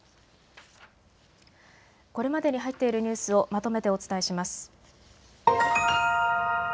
これまでに入っているニュースをまとめてお伝えします。